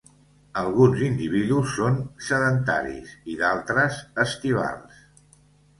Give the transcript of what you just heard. Alguns individus són sedentaris i d'altres, estivals.